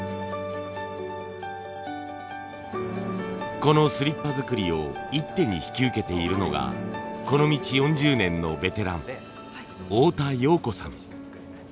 このスリッパ作りを一手に引き受けているのがこの道４０年のベテラン太田洋子さん。